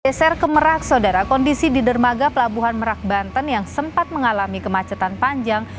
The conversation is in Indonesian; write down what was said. geser ke merak saudara kondisi di dermaga pelabuhan merak banten yang sempat mengalami kemacetan panjang